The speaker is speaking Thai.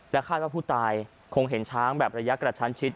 และคาดว่าผู้ตายคงเห็นช้างหายากระชั้นชิด